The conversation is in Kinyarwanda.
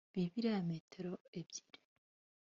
bibiliya ya metero ebyiri